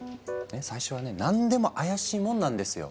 最初はね何でも怪しいもんなんですよ。